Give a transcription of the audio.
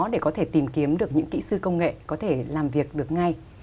để tìm kiếm được những kỹ sư công nghệ có thể làm việc được ngay